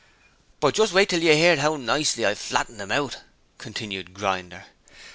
'But just wait till you hear how nicely I flattened 'im out,' continued Grinder.